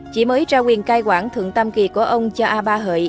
chỉ mới ra quyền cai quản thượng tam kỳ của ông cho a ba hợi